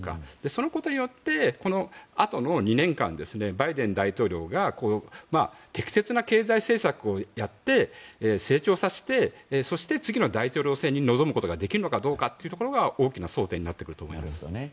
そのことによってこのあとの２年間バイデン大統領が適切な経済政策をやって成長させてそして、次の大統領選に臨むことができるのかどうかが大きな争点になってくると思います。